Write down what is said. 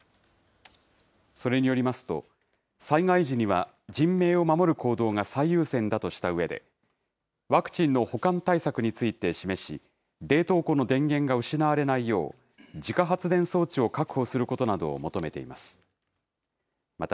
それによりますと、災害時には人命を守る行動が最優先だとしたうえで、ワクチンの保管対策について示し、冷凍庫の電源が失われないよう、自家発電装置を確保することなどを求めています。